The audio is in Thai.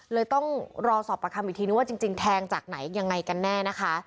เลยต้องรอสอบประคำอีกทีนึงว่าจริงแทงจากไหนยังไงกันแน่นะคะ